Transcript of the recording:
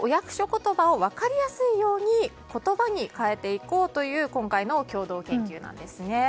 言葉を分かりやすいように言葉に変えていこうという今回の共同研究なんですね。